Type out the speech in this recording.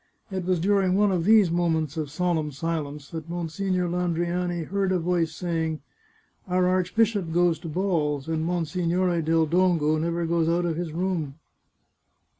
It was during one of these moments of solemn silence that Monsignore Landriani heard a voice say ing :" Our archbishop goes to balls, and Monsignore del Dongo never goes out of his room."